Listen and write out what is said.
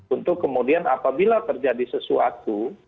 untuk kemudian apabila terjadi sesuatu